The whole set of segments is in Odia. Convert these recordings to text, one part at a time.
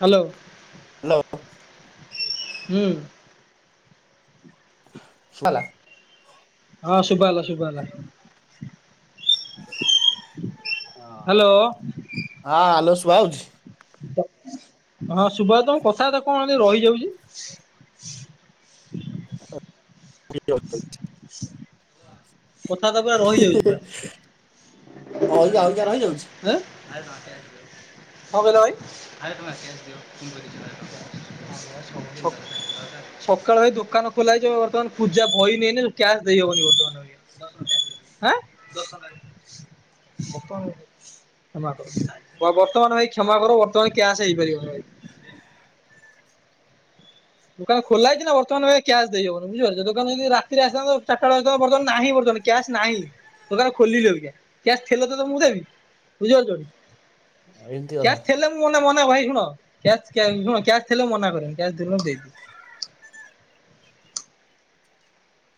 ହ୍ୟାଲୋ। ହ୍ୟାଲୋ। ହୁଁ। ମଲା। ହଁ ଶୁଭାଗଲା ଶୁଭଗଲା। ହଁ ହ୍ୟାଲୋ ହାଲୋ ସୁଭୁଉଛି। ହଁ ସୁଭାଉଛି ତମ କଥାବାର୍ତା କଣ ଏମିତି ରହିଯାଉଛି? [unintelligible] [inaudible] କଥାବାର୍ତ୍ତା ପୁରା ରହିଯାଉଛି ପୁରା। ଅଇକା ଅଇକା ରହିଯାଉଛି। ଆଁ କଣ କହିଲ ଭାଇ [unintelligible] ସ ସକାଳୁ ଭାଇ ଦୋକାନ ଖୋଲା ହେଇଚି ଏବେ ବର୍ତ୍ତମାନ ପୂଜା ବଇନି ହେଇନି କ୍ୟାସ୍ ଦେଇହବନି ବର୍ତ୍ତମାନ। [unintelligible] କ୍ଷମା କର ବର୍ତ୍ତମାନ ଭାଇ କ୍ଷମା କର ବର୍ତ୍ତମାନ କ୍ୟାସ ହେଇପାରିବନି। ଦୋକାନ ଖୋଲା ହେଇଛି ନା ବର୍ତମାନ ଭାଇ କ୍ୟାସ୍ ଦେଇହବନି ବୁଝିପାରୁଚ ଦୋକାନ ଯଦି ରାତି ରେ ଆସିଥାନ୍ତ ଚାର ଟା ବେଳେ ଆସିଥାନ୍ତ ବର୍ତ୍ତମାନ ନାହିଁ ବର୍ତ୍ତମାନ। କ୍ୟାସ୍ ନାହିଁ ଦୋକାନ ଖୋଲିଲି ଅବିକା କ୍ୟାସ ଥିଲେ ତ ତମକୁ ଦେବି ବୁଝିପାରୁଛନ୍ତି। ଏମିତି କଥା। କ୍ୟାସ ଥେଲେ। ମୁଁ ମନା ମନା ଭାଇ ଶୁଣ କ୍ୟାସ ଶୁଣ କ୍ୟାସ ଥିଲେ ମୁଁ ମନା କରିନି କ୍ୟାସ ଥିଲେ ମୁ ଦେଇଦିଏ।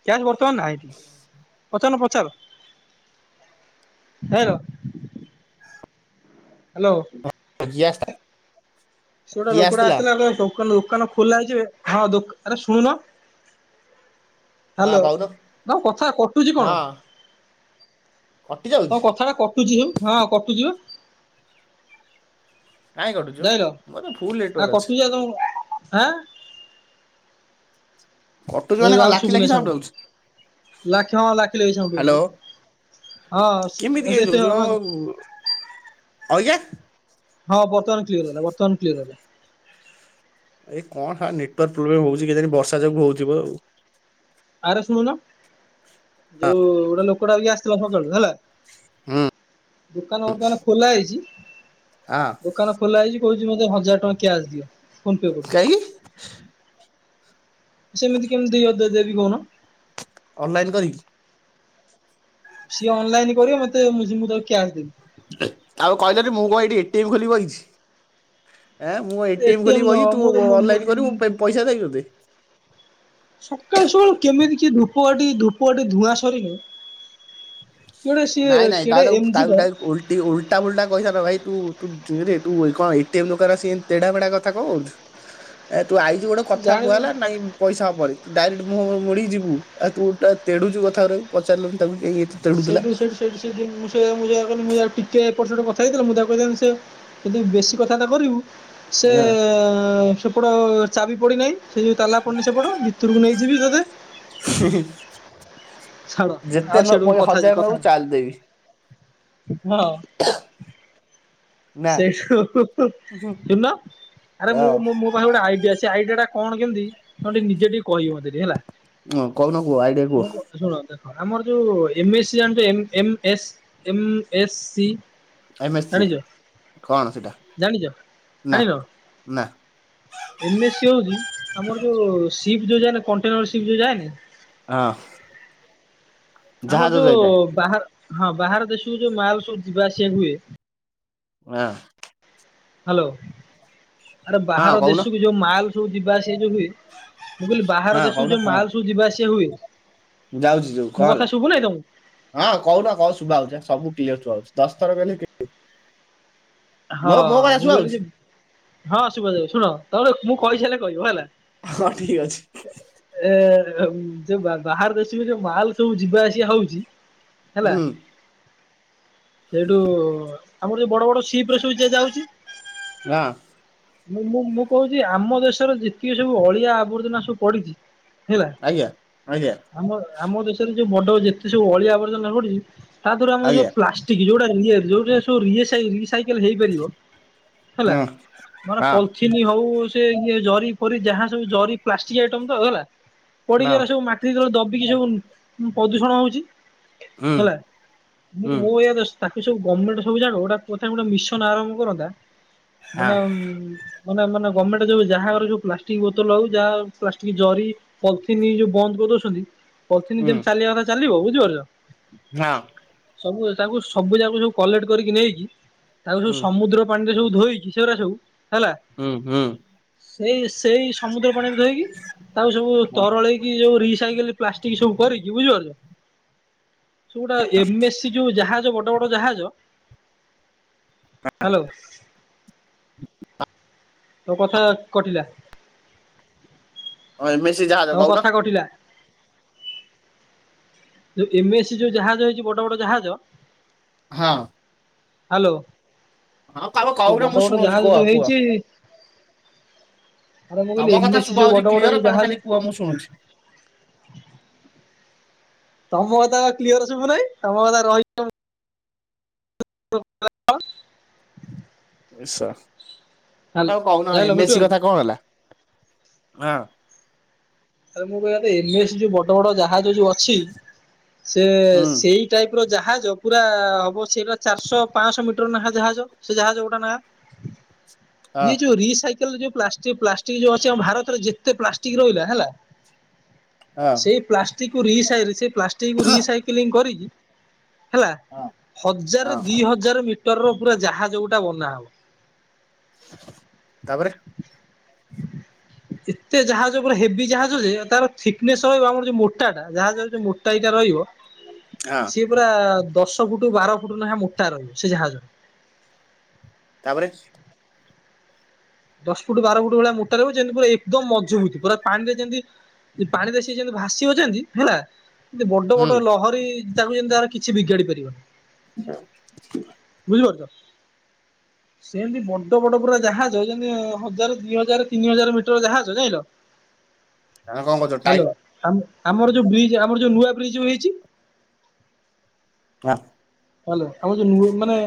କ୍ୟାସ୍ ବର୍ତ୍ତମାନ ନାହିଁ ପଚାରୁନ ପଚାର। Hello hello. [unintelligible] ସେ ଗୋଟା ଲୋକଟା ଆସିଥିଲା ଏବେ ଦୋକାନ ଦୋକାନ ଖୋଲା ହେଇଛି ଏବେ ହଁ ଦୋ ଆରେ ଶୁଣୁନ। ହଁ ହ୍ୟାଲୋ କହୁନୁ ତମ କଥା କଟୁଛି କଣ। ହଁ କଟି ତମ ଯାଉଛି କଥାଟା କଟୁଛି ଯୋଉ ହଁ କଟୁଛି ବା। କାଇଁ କଟୁଛି ମ? ଯାଇଁଲ ମୋର ତ ଫୁଲ ନେଟୱାର୍କ ଆ ଅଛି। କଟିଛି ଆଉ ତମ ଆଁ। କଟୁଛି ଏ ମାନେ କଣ ଆଉ ଲାଖି ଶୁଭୁନି ଲାଖି ସାଉଣ୍ଟ ସାଉଣ୍ଡ ଲାଖି ହଁ ଆଉଛି ଲାଖିଲେ ଏଇ ସାଉଣ୍ଡ ହାଲୋ। ହଉଚି ପା ଇମିତି ହଁ କେଁତି ଏତେ ହଉଛି ହଁ ଅ ଆଜ୍ଞା। ହଁ ବର୍ତମାନ କ୍ଲିୟର ହେଲା ବର୍ତମାନ କ୍ଲିୟର ହେଲା। ଏଇ କଣ ଶଳା ନେଟୱାର୍କ ପ୍ରୋ୍ଲେମ ହଉଛି କେଜାଣି ବର୍ଷା ଯୋଗୁ ହଉଥିବ ଆଉ। ଆରେ ଶୁଣୁନ ଆଉ। ଯୋଉ ଗୋଟେ ଲୋକଟା ଅବିକା ଆସିଥିଲା ସକାଳୁ ହେଲା। ହୁଁ। ଦୋକାନ ବର୍ତମାନ ଖୋଲା ହେଇଛି। ଆହ। ଦୋକାନ ଖୋଲା ହେଇଛି କହୁଛି ମୋତେ ହଜାର ଟଙ୍କା କ୍ୟାସ୍ ଦିଅ ଫୋନ ପେ କରୁଛି। କାହିଁକି ସେମିତି କେମିତି ଦିଅ ଦେ ଦେବି କହୁନ। ଅନଲାଇନ୍ କରିକି। ସିଏ ଅନଲାଇନ କରିବ ମତେ ମୁଁ ସି ମୁଁ ତାକୁ କ୍ୟାସ୍ ଦେବି। ଆଗ କହିଲନି ମୁଁ କଣ ଏଠି ଏଟି ଏମ୍ ଖୋଲି ବଇଛି। ଏଁ ମୁଁ କଁ ଏଟି ଏମ ଏଟିଏମ ଖୋଲିି ନୁହଁ ବଇଚି ତୁ ମୁଁ ତ ମୁଁ ଅନଲାଇନ କରିବୁ ମୁଁ ପଇସା ଦେବି ତତେ। ସକାଳୁ ସକାଳୁ କେମିତି କିଏ ଧୂପକାଠି ଧୂପକାଠି ଧୂଆଁ ସରିନେଇ। କେବେ ସିଏ କେଡ଼େ ଏମ ଯି ଟା। ଟି କେ ଉଲଟା ଫୁଲଟା କହିଥାନ୍ତ ଭାଇ ତୁୁ ତୁ ତୁରେ ତୁ କଣ ଏଟିଏମ୍ ଦୋକାନ ଆସି ଏମିତି ତେଢା ମେଢା କଥା କଣ କରୁଛୁ। ଏ ତୁ ଆଇ ଚୁ ଗୋଟେ କଥା କୁହା ଜାଣିନ ହେଲା ନାଇଁ। ପଇସା ହେବନି ତୁ ଡାଇରେକ୍ଟ ମୁଁହ ମୁଡିି ଯିବୁ ଆଉ ତୁ ଓଲଟା ତେଡୁଛୁ କଥା ଗୁରାକୁ ପଚାରି ଲୁନି ତାକୁ ଏହି ଏହିତ ସେଉଠୁ ସେଉଠୁ ସେଉଠୁ ସେ ମୁଁ ସେ ୟା ମୁଁ ଯା କଇଲି ମୁ ଯା ଆଉ ଟିକେ ଏପଟ ସେପଟ କଥା ହେଇଥିଲେ ମୁଁ ତାକୁ କହିଥିନ୍ତି ସେୟା। ଯଦି ବେଶୀ କଥା ବାର୍ତା କରିବୁ ସେ ଏଁ ସେପଟ ଚାବି ପଡ଼ିନାହିଁ। ସେ ଯୋଉ ତାଲା ପଡିନି ସେପଟ ଭିତରକୁ ନେଇଯିବି ତତେ। ହୁଁ ହୁଁ ଛାଡ଼ ଆଉ ଯେତେ ନ ସେଠୁ କହିବ କଥା ହଜାର କଥା ନବୁ ଚାଲ ଦେବି। ହଁ। [inaudible] ନା। ସେଇଠୁ ହୁଁ ହୁଁ ସୁଣୂନ ଆରେ ମୁଁ ଆଉ ମୁଁ ମୁଁ। ମୋ ପାଖରେ ଗୋଟେ ଆଇଡିଆ ଅଛି ସେ ଆଇଡିଆ ଟା କଣ କେମିତି ତମେ ଟିକେ ନିଜେ ଟିକେ କହିବ ମତେ ଟିକେ ହେଲା। ହଁ କହୁନ କୁଅ ଆଇଡଆ ମୁଁ କୁହ। ଶୁଣ ଦେଖ ଆମର ଯୋଉ ଏମେସୀ ଜାଣିଛ M M S M S C. M S C ଜାଣିଛ କଣ ସେଟା? ଜାଣିଛ ନା ଜାଣିନ। ନା ଏମ ଏସ ସି ହଉଛି ଆମର ଯୋଉ ସିପ ଯୋଉ ଯାଏନା କଣ୍ଟେନର ସିପ ଯୋଉ ଯାଏନା। ହଁ। ଆମର ଜାହାଜ ଯୋଉ ଯାଇଥାଏ ବାହାର ହଁ ବାହାର ଦେଶକୁ ଯୋଉ ମାଲ ସବୁ ଯିବା ଆସିବା ହୁଏ। ଆଁ। ହାଲୋ ଆରେ ହଁ ବାହାର କହୁନ ଦେଶ କୁ ଯୋଉ ମାଲ ସବୁ ଯିବା ଆସିବା ଯୋଉ ହୁଏ। ମୁଁ କଇଲି ବାହାର ହଁ ଦେଶୁ କହୁନ ଯୋଉ ହଁ ମାଲ ସବୁ ଯିବା ଆସିବା ହୁଏ। ଯାଉଛି ଯୋଉ ମୋ କଣ କଥା ହେଲା। ଶୁଭୁ ନାହିଁ ତମକୁ? ହଁ କହୁନ କ ଶୁଭା ହଉଚି ସବୁ କ୍ଲିୟର ସୁଭାହଉଚି ଦଶଥର କଇଲେ ହଁ ମୁଁ ଶୁଭା ହଉଛି କଇଲିକି ହଁ ଶୁବା ଯାଉଚି ଶୁଣ ତା ମୁଁ କହିସାଇଲେ କହିବ ହେଲା। ହଁ ଠିକ୍ ଅଛି। ଏ ଯେ ବାହାର ଦେଶକୁ ଯୋଉ ମାଲ ସବୁ ଯିବା ଆସିବା ହୋଉଚି ହେଲା ହୁଁ ସେଟୁ ଆମର ଯୋଉ ବଡ ବଡ ସି କି ପ୍ରସୁ ଯାଉଚି। ହଁ ମୁଁ ମୁଁ ମୁଁ କହୁଚି ଆମ ଦେଶର ଯେତିକି ସବୁ ଅଳିଆ ଆବର୍ଜନା ସବୁ ପଡିଚି ଆଜ୍ଞା ଆଜ୍ଞା। ଆମ ଆମ ଦେଶରେ ଯୋଉ ବଡ ଯେତେ ସବୁ ଅଳିଆ ଆବର୍ଜନା ପଡିଚି ତା ତରୁ ଆମକୁ ଯୋଉ ଆଜ୍ଞା ପ୍ଲା ଟିକି ଯୋଉଡା ଇଏ ଯୋଉଟା ଇଏ ସାଇ ହେଇପାରିବ ହେଲା ହଁ ହଁ ନନେ ପଲ୍ଥି ହଁ ଥିନି ହଉ ସେ ଇଏ ଜରି ଫରି ଯାହା ସବୁ ଜରି ପ୍ଲାଷ୍ଟିକ ଆଇଟମ ତ ହେଲା। ପଡ଼ିକିଏରା ସବୁ ମାଟିତଳେ ଦବିକି ସବୁ ପ୍ରଦୂଷଣ ହୋଉଚି। ହୁଁ ହେଲା ହୁଁ ମୁଁ ଏଇଆ ତାକୁ ସବୁ ଗମେଣ୍ଟ ସବୁ ଜାଣ ଗୋଟା ଗୋଟେ ମିଶନ ଆରମ୍ଭ କରନ୍ତା ନନେ ହଁ ମାନେ ମାନ ଗର୍ମେଣ୍ଟେ ଯୋଉ ଯାହାର ଯଉ ପ୍ଲାଷ୍ଟିକ ବୋତଲ ହଉ ଯାହା ପ୍ଲାଷ୍ଟିକ ଜରି ପଲ୍ଥିନି ଯୋଉ ବନ୍ଦ କରିଦଉଚନ୍ତି ପଲ୍ଥିନି ଯେମତି ଚାଲିବା କଥା ଚାଲିବ ବୁଝିପାରୁଚ। ନା। ସବୁ ତାକୁ ସବୁ ଯାକୁ ଯୋଉ କଲେକ୍ଟ କରିକି ନେଇକି ତାକୁ ସବୁ ହୁଁ ସମୁଦ୍ର ପାଣିରେ ସବୁ ଧୋଇକି ସେଗୁଡା ସବୁ ହେଲା। ହୁଁ ହୁଁ। ସେଇ ସେଇ ସମୁଦ୍ର ପାଣିରେ ଧୋଇକି ତାଉ ସବୁ ହଁ ହଁ ତରଳେଇକି ଯୋଉ ରିସାଇକେଲ ପ୍ଲାଷ୍ଟିକ ସବୁ କରିକି ବୁଝିପାରୁଚ ସେ ଗୋଟା ଏମେ ସି ଯୋଉ ଜାହାଜ ବଡ ବଡ ଜାହାଜ ହ୍ୟାଲୋ। ତୋ କଥା କଟିଲା। ଅ ଏମେସି ଜହାଜ ତମ କଉନ। କଥା କଟିଲା। ଯୋଉ ଏମ ଏ ସି ଯୋଉ ଜାହାଜ ହେଇଚି ବଡ ବଡ ଜାହାଜ ହଁ। ହ୍ୟାଲୋ। ହଁ ତମେ ସେ କହୁନ ମୁଁ ବଡ ବଡ ଶୁଣୁଛି ଜାହାଜ କୁହ ଯୋଉ କୁହ ହେଇଚି ଆରେ ମୁଁ ତମ କହିଲି କଥା ଏମେ ସି ଶୁଭା ଯୋଉ ହଉଛି ବଡ ବଡ କ୍ଲିୟର ଯୋଉ ତମେ ଖାଲି ଜାହାଜ କୁହ ମୁଁ ଶୁଣୁଛି। ତମ କଥା ପା କ୍ଲିୟର ଶୁବୁନେଇଁ ତମ କଥା ରହି ର [unintelligible] ଏସ ଆଉ କହୁନ ଜାଣିଲ ଏମେ ମିଟୁ ସି ବାବୁ କଥା କଣ ହେଲା। ଆରେ ମୁଁ କହିବା କଥା ଏମ ଏ ସି ଯୋଉ ବଡ ବଡ ଜାହାଜ ଯୋଉ ଅଛି ସେ ହୁଁ ସେଇ ଟାଇପିର ଜାହାଜ ପୁରା ହବ ସେଇଟା ଚାରିଶହ ପାଁଶହ ମିଟର ନେଖା ଜାହାଜ ସେ ଜାହାଜ ଗୋଟା ନେକା। [inaudible] ହଁ ଇଏ ଯୋଉ ରିସାଇକେଲ ଯୋଉ ପ୍ଲା ପ୍ଲାଷ୍ଟିକ ଯୋଉ ଅଛି ଆମ ଭାରତରେ ଯେତେ ପ୍ଲାଷ୍ଟିକ ରହିଲା ହେଲା। ହଁ ସେଇ ପ୍ଲାଷ୍ଟିକ ରିସାଇ ପ୍ଲାଷ୍ଟିକକୁ ରିସାଇକେଲିଂ କରିକି ହେଲା ହଁ ହଜାର ହଁ ଦିହଜାର ମିଟରର ପୁରା ଜାହାଜ ଗୋଟା ବନା ହବ। ତାପରେ। [inaudible] ଏତେ ଜାହାଜ ଉପରେ ହେଭି ଜାହାଜ ଯେ ତାର ଥିକନେସ୍ ରହିବ ଆମର ଯେଉଁ ମୋଟାଟା ଜାହାଜର ଯେଉଁ ମୋଟାଇଟା ରହିବ। ହଁ ସିଏ ପୁରା ଦଶ ପୁଟୁ ବାର ପୁଟୁ ନେଖା ମୋଟା ରହିବ ସେ ଜାହାଜ। ତାପରେ। ଦଶ ପୁଟୁ ବାର ପୁଟୁ ଭଳିଆ ମୋଟା ରହିବ ଯେମତି ପୁରା ଏକଦମ ମଜବୁତୁ ପୁରା ପାଣିରେ ଯେମିତି ପାଣି ଦେ ସେ ଯେମତି ଭାସିବ ଯେମନ୍ତି ହେଲା। ଏ ବଡ ହୁଁ ବଡ ଲହରୀ ତାକୁ ଯେମିତି ତାର କିଛି ବିଗାଡି ପାରିବନି। [inaudible] ବୁଝିପାରୁଚ। ସେମିତି ବଡ ବଡ ପୁରା ଜାହା ଜ ଯେମିତି ହଜାର ଦିଇ ହଜାର ତିନି ହଜାର ମିଟର ଜାହାଜ ଯାଇଁଲ? ତମେ କଣ କରୁଚ ଟାଇ ଆମ୍-ଆମର ଯୋଉ ବ୍ରିଜ୍ ଆମର ଯୋଉ ନୂଆ ବ୍ରିଜ ଯୋଉ ହେଇଚି। ଆଁ ହ୍ୟାଲୋ। ଆମର ଯୋଉ ନୁ ମାନେ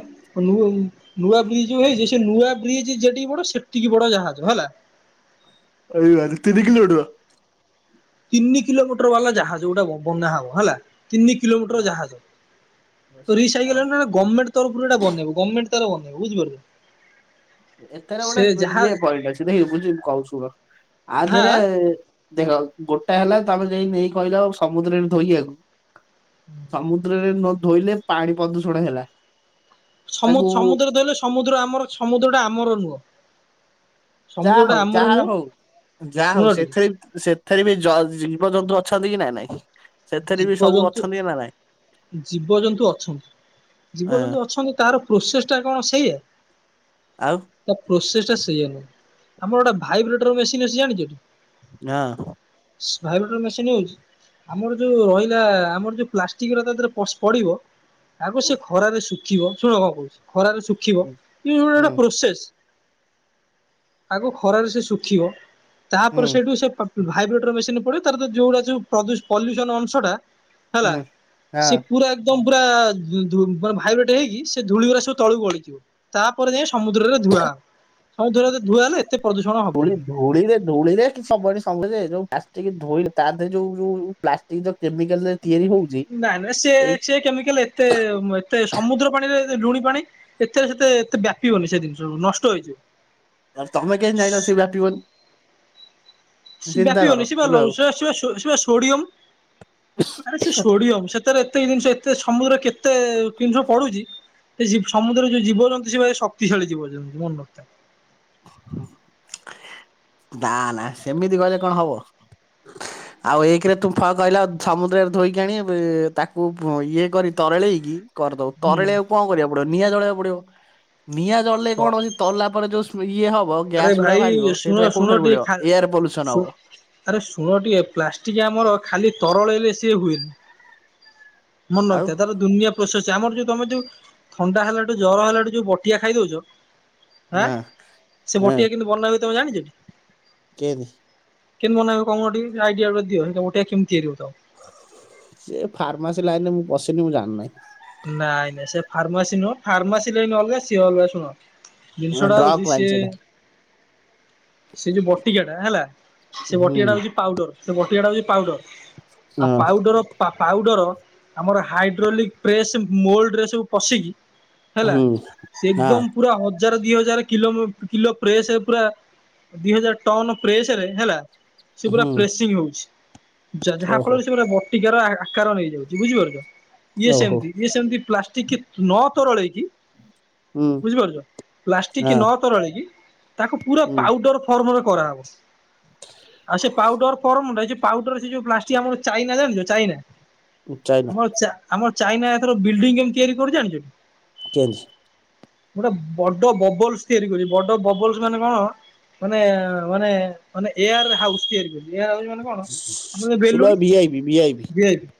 ନୁ ଆଉ ନୂଆ ବ୍ରିଜ ଯୋଉ ହେଇଚି। ସେ ନୂଆ ବ୍ରିଜ ଯେଡିକି ବଡ ସେତିକି ବଡ ଜାହାଜ ହେଲା। ଏଇଆରେ ତିନି କିଲୋମିଟର? ତିନି କିଲୋମିଟର ବାଲା ଜାହାଜ ଗୋଟା ବ ବନା ହବ ହେଲା। ତିନି କିଲୋମିଟର ହଁ ଜାହାଜ ନିଶ୍ଚୟ ରିସାଇକେଲ ତାପରେ ତ ନା ଗମେଣ୍ଟ ତରଫୁରୁ ଏଇଟା ବନେଇବ। ଗମେର୍ଣ୍ଟ ତାର ବନେଇବ ବୁଝିପାରୁଚୁ? ଏଥରେ ଗୋଟେ ଇଏ ପଏଣ୍ଟ ଅଛି ଦେଖି ବୁଝିବୁ ମୁଁ କହୁଚି ଶୁଣ। ଆ ହା ଧେରେ ଦେଖ ଗୋଟା ହେଲା ତମେ ଯାଇ ନେଇକି କହିଲ ସମୁଦ୍ରରେ ଧୋଇବାକୁ। ଉଁ। ସମୁଦ୍ରରେ ନ ଧୋଇଲେ ପାଣି ପ୍ରଦୂଷଣ ହେଲା। ତାକୁ ସମୁ-ସମୁ-ସମୁଦ୍ର ଧୋଇଲେ ସମୁଦ୍ର ଆମର ସମୁଦ୍ରଟା ଆମର ନୁହଁ। ସମୁଦ୍ର ଯାହା ଟା ହଉ ଆମର ଯାହା ନୁହଁ ହଉ ଯାହା ଶୁଣ ହଉ ଟିକେ ସେଥିରେ ସେଥିରେ ବି ଜ-ଜୀବଜନ୍ତୁ ଅଛନ୍ତି କି ନା ନାଇଁ। ସେଥିରେ ବି ସବୁ ଜୀବଜନ୍ତୁ ଅଛନ୍ତି କି ନା ନାଇଁ? ଜୀବଜନ୍ତୁ ଅଛନ୍ତି। ହଁ ଜୀବଜନ୍ତୁ ଅଛନ୍ତି। ତାର ପ୍ରୋସେସଟା କଣ ସେଇଆ? ଆଉ? ତା ପ୍ରୋସେସଟା ସେଇଆ ନୁହେଁ। ଆମର ଗୋଟେ ଭାଇବ୍ରେଟର ମେସିନ୍ ଅଛି ଜାଣିଚ ଟି? ନା। ଭାଇବେଟର ମେସିନ ଆଉଚି। ଆମର ଯୋଉ ରହିଲା। ଆମର ଯୋଉ ପ୍ଲାଷ୍ଟିକ ଗୁରା ତା ଦେହରେ ପସ୍ ପଡ଼ିବ। ତାକୁ ହୁଁ ସେ ଖରାରେ ଶୁକ୍ ଖିବ ଶୁଣ କଣ କହୁଚି ଖରାରେ ଶୁଖିବ ହୁଁ ଇଏ ଗୋଟା ଗୋଟା ହୁଁ ପ୍ରୋସେସ। ଆଗ ଖରାରେ ସେ ଶୁଖିବ ତା ପରେ ହୁଁ ସେଇଠୁ ସେ ପେପ୍ ଭାଇବ୍ରେଟର ମେସିନରେ ପଡିବ। ତାର ତ ଯୋଉ ଗୁଡ଼ା ଯୋଉ ପ୍ରଦୁ ପଲ୍ୟୁସନ ଅଂଶଟା ହେଲା ହୁଁ ହଁ। ସେ ପୁରା ଏକଦମ ପୁରା ଉଁ ଧୁ ମାନେ ଭାଇବ୍ରେଟ ହେଇକି ସେ ଧୂଳିଗୁରା ସବୁ ତଳକୁ ଗଳିଯିବ। ତା ପରେ ଯାଇ ସମୁଦ୍ରରେ ଧୁଆ ହବ। ସମୁଦ୍ରରେ ଧୁଆ ହେଲେ ଏତେ ପ୍ରଦୂଷଣ ଧୂଳି ହବନି। ଧୂଳିରେ ଧୂଳିରେ କି ସବୁ ଆଡ଼େ ସମୂଦ୍ର ଯେ ଯୋଉ ପ୍ଲାଷ୍ଟିକ୍ ଧୋଇଲ ତା ଦେହରେ ଯୋଉ ଯୋଉ ପ୍ଲାଷ୍ଟିକ ଯୋଉ କେମିକାଲ ରେ ତିଆରି ହଉଚି। ଏଇ ଏତେ କେମିକାଲ ଏ ଏତେ ଅ ଏତେ ସମୁଦ୍ର ପାଣିରେ ଲୁଣି ପାଣି ଏଥିରେ ସେତେ ଏତେ ବ୍ୟାପିବନି ସେ ସବୁ ଜିନିଷ ନଷ୍ଟ ହେଇଯିବ। ଆ ତମେ କେମିତି ଯାଇଁଲ ସେ ବ୍ୟାପିବନି? ଚିନ୍ତା କର ବ୍ୟାପିବନି ସିଏ ପା ବୁଝିଲ ଲୌ ଆଉ। ସେଆ-ସେଆ-ସେଆ ସେ ପା ସୋଡିୟମ। ଆରେ ସେ ସୋଡିୟମ ସେତ୍ ସେଥିରେ ଏତିକି ଜିନିଷ ଏତେ ସମୁଦ୍ର କେତେ ଜିନିଷ ପଡ଼ୁଚି। ସେ ଜିବ୍ ସମୁଦ୍ରରେ ଯୋଉ ଜୀବଜନ୍ତୁ ସିଏ ଭାରି ଶକ୍ତିଶାଳି ଜୀବଜନ୍ତୁ ମନ ରଖିଥା। ନା ନା ସେମିତି କହିଲେ କଣ ହବ? ହୁଁ ଆଉ ଏକରେ ତୁ ଫ କହିଲା ସମୁଦ୍ରରେ ଧୋଇକି ଆଣି ବି ତାକୁ ଫ ଇଏ କରି ତରଳେଇକି କରିଦବୁ ତରଳେଆକୁ ହୁଁ କଣ କରିବାକୁ ପଡିବ ନିଆଁ ଜଳେଇବାକୁ ପଡିବ। ନିଆଁ ଜଳିଲେ କଣ ଅଛି ତରଳିଲା ପରେ ଯୋଉ ସୁ ଇଏ ହବ ଆରେ ଗ୍ୟାସ ଗୁରା ଭାଇ ଭାରିବ ଶୁଣ ସେଇଟାରେ ଶୁଣ କୋଉଠାରେ ଟିକେ ମିଳିବ ଖା ଏୟାର ପଲ୍ୟୁସନ ହବ। ଆରେ ଶୁଣ ଟିକେ ପ୍ଲାଷ୍ଟିକ ଆମର ଖାଲି ତରଳେଇଲେ ସିଏ ହୁଏନି। ଆଉ ମନେରଖିଥା ତାର ଦୁନିଆ ପ୍ରୋସେସ ଆମର ଯୋଉ ତମେ ଯୋଉ ଥଣ୍ଡା ହେଲାଠୁ ଜର ହେଲାଠୁ ଯୋଉ ବଟିଆ ଖାଇଦଉଛ। ହଁ ସେ ହଁ ବଟିଆ କେମିତି ବନା ହୁଏ ତମେ ଜାଣିଛ? କେନ୍ତି? କେମିତି ବନାହୁଏ କଉନ ଟିକେ ଆଇଡିଆ ଗୋଟେ ଦିଅ ବଟିକା କେମିତି ତିଆରି ହଉଥିବ? ସେ ଫାର୍ମାସି ଲାଇନରେ ମୁଁ ପସିନି ମୁଁ ଜାଣିନି। ନାଇଁ ନାଇଁ ସେ ଫାର୍ମାସି ନୁହଁ ଫାର୍ମାସୀ ଲାଇନ ଅଲଗା ସିଏ ଅଲଗା ଶୁଣ। ଜିନିଷ ଟା ହଉଛି ସେ ସେ ଯୋଉ ବଟିକାଟା ହେଲା ସେ ବଟିକା ଟା ହଉଛି ପାଉଡର ସେ ବଟିକା ଟା ହଉଛି ପାଉଡର। ଆଉ ପାଉଡ଼ର ପାଉଡ଼ର ଆମର ହାଇଡ୍ରୋଲିକ୍ ପ୍ରେସ୍ ମୋଲ୍ଡ୍ରରେ ସବୁ ପଶିକି ହେଲା ସେ ଏକଦମ ପୁରା ହଜାର ଦି ହଜାର କିଲୋ କିଲୋ ପ୍ରେସ ପୁରା। ଦିଇ ହଜାର ଟନ ପ୍ରେସରେ ହେଲା। ସେ ପୁରା ପ୍ରେସିଂ ହଉଛି ଯାହା ଫଳରେ ସେ ଗୁରାକ ବଟିକାର ଆକାର ନେଇଯାଉଛି ବୁଝିପାରୁଛ। ଇଏ ସେମିତି ଇଏ ସେମତି ପ୍ଲାଷ୍ଟିକ କି ନ ତରଳେଇକି। ବୁଝିପାରୁଛ ପ୍ଲାଷ୍ଟିକ ନ ତରଳେଇକି ତାକୁ ପୁରା ପାଉଡର ଫର୍ମରେ କରାହଉଛି। ଆଉ ସେ ପାଉଡର ଫମରେ ପାଉଡର ସେ ଯୋଉ ପ୍ଲାଷ୍ଟିକ ଆମର ଯୋଉ ଚାଇନା ଜାଣିଛ ଚାଇନା। ଆମର ଆମର ଚାଇନା ଏଥର ବିଲଡିଂ କେମିତି ତିଆରି କରୁଛି ଯାଣିଛ? କେନ୍ତି? ଗୋଟେ ବଡ ବବଲସ ତିଆରି କରିବେ ବଡ ବବଲସ ମାନେ କଣ? ମାନେ ମାନେ ମାନେ ଏୟାରେ ହାଉସ ତିଆରି କରିବେ ଏୟାର ହାଉସ ମାନେ କଣ ଆମେ ଯେଉ ବେଲୁଣି ଦିଆଇବି।